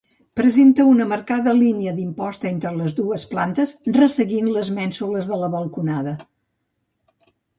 Presenta una marcada línia d'imposta entre les dues plantes, resseguint les mènsules de la balconada.